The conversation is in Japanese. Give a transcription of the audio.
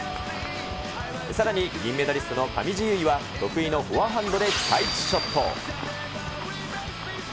さらに銀メダリストの上地結衣は得意のフォアハンドでショット。